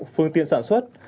phương tiện sản xuất